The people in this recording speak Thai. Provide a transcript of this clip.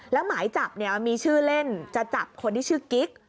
แล้วหมายจับมีชื่อเล่นจะจับคนที่ชื่อกิ๊ก